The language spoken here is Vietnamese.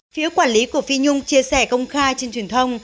phía quản lý của phi nhung chia sẻ công khai trên truyền thông